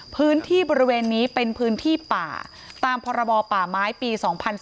พื้นที่บริเวณนี้เป็นพื้นที่ป่าตามพรบป่าไม้ปี๒๔